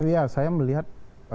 ya saya melihat